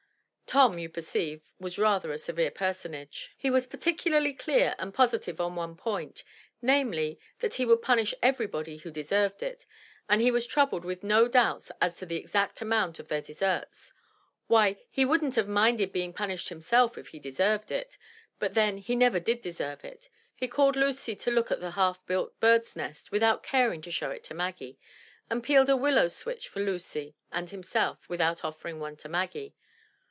Tom, you perceive, was rather a severe personage. He was particularly clear and positive on one point, namely that he would pimish everybody who deserved it, and he was troubled with no doubts as to the exact amount of their deserts. Why, he wouldn't have minded being punished himself if he deserved it, but then he never did deserve it. He called Lucy to look at the half built bird's nest, without caring to show it to Maggie, and peeled a willow switch for Lucy and himself, without offering one to Maggie.